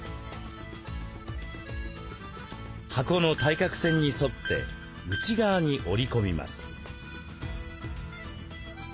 箱の対角線に沿って内側に折り込みます。